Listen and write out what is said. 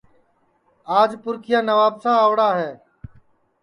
آج پُرکھِیا نوابسا آؤڑا ہے